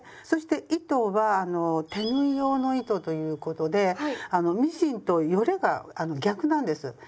そして糸は手縫い用の糸ということであのミシンと撚れが逆なんです。